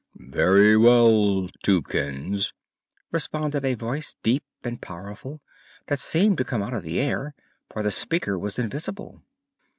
"Very well, Tubekins," responded a Voice, deep and powerful, that seemed to come out of the air, for the speaker was invisible.